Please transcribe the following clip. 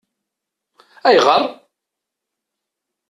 Ayɣeṛ?